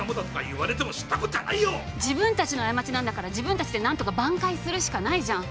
言われても自分たちの過ちなんだから自分たちで何とか挽回するしかないじゃん。